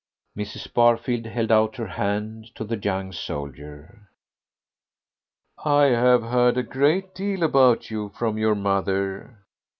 Mrs. Barfield held out her hand to the young soldier. "I have heard a great deal about you from your mother."